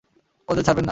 ওদের ছাড়বেন না।